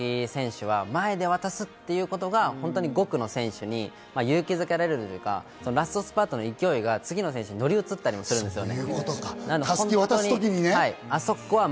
駅伝は１秒が大切なので鈴木選手は前で渡すっていうことが５区の選手に勇気付けられるというか、ラストスパートの勢いが次の選手に乗り移ったりするんですよね。